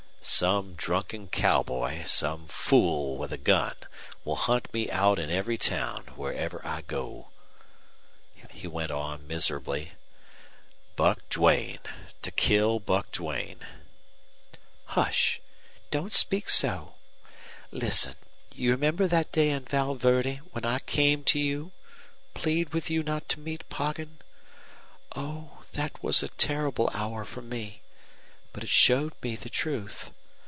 "Some drunken cowboy, some fool with a gun, will hunt me out in every town, wherever I go," he went on, miserably. "Buck Duane! To kill Buck Duane!" "Hush! Don't speak so. Listen. You remember that day in Val Verde, when I came to you plead with you not to meet Poggin? Oh, that was a terrible hour for me. But it showed me the truth.